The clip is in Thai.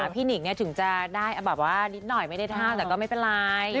หนิงถึงจะได้แบบว่านิดหน่อยไม่ได้เท่าแต่ก็ไม่เป็นไร